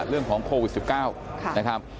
เรื่องของโควิด๑๙